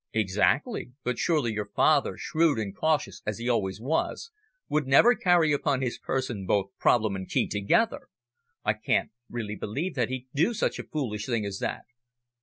"Exactly. But surely your father, shrewd and cautious as he always was, would never carry upon his person both problem and key together! I can't really believe that he'd do such a foolish thing as that."